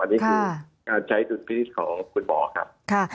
อันนี้คือการใช้สุดพิษของคุณหมอครับ